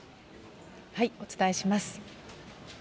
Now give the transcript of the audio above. お伝えします。